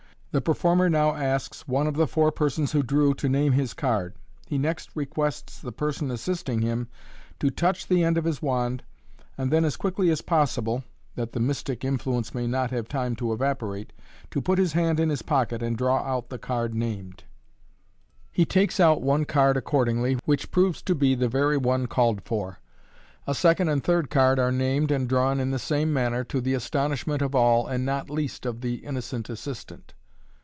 The performer now asks one of the four persons who drew to name his card. He next requests the person assisting him to touch the end of his wand, and then as quickly as possible (that the mystic influence may not have time to evaporate) to put his hand in his pocket, and draw out the card named. He takes out one card accordingly, which proves to be the very one called for. A second and third card are named and drawn in the same manner, to the astonishment of all, and not least of the innocent assistant.